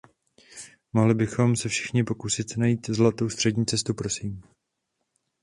Mohli bychom se všichni pokusit najít zlatou střední cestu, prosím.